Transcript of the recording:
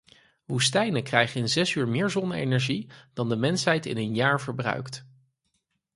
Woestijnen krijgen in zes uur meer zonne-energie dan de mensheid in een jaar verbruikt.